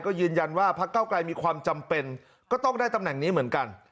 ก็ยืนยันว่าพักเก้าไกรมีความจำเป็นก็ต้องได้ตำแหน่งนี้เหมือนกัน